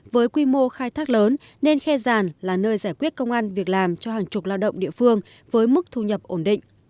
với quy mô khai thác lớn nên khe giàn là nơi giải quyết công an việc làm cho hàng chục lao động địa phương với mức thu nhập ổn định